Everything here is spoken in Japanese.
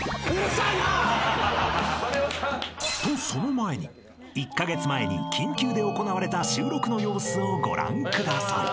［とその前に１カ月前に緊急で行われた収録の様子をご覧ください］